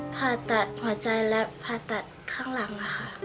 ผ่าตัดหัวใจและผ่าตัดข้างหลังค่ะ